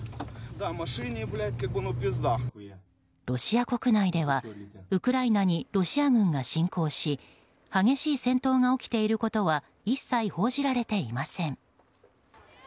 ロシア国内ではウクライナにロシア軍が侵攻し激しい戦闘が起きていることは一切報じられていません。